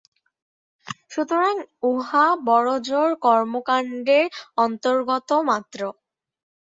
সুতরাং উহা বড়জোর কর্মকাণ্ডের অন্তর্গত মাত্র।